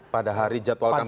pada hari jadwal kampanye